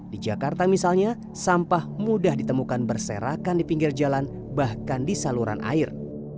di jakarta misalnya sampah mudah ditemukan berserakan di pinggir jalan bahkan di saluran air